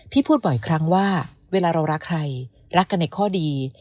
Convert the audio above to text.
พูดบ่อยครั้งว่าเวลาเรารักใครรักกันในข้อดี